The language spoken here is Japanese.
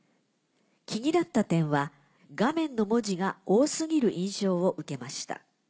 気になった点は画面の文字が多過ぎる印象を受けました。